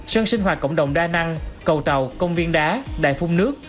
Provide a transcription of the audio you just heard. sân sinh hoạt cộng đồng đa năng cầu tàu công viên đá đại phung nước